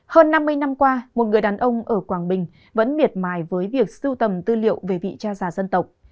hơn năm mươi năm qua một người đàn ông ở quảng bình vẫn miệt mài với việc sưu tầm tư liệu về vị cha già dân tộc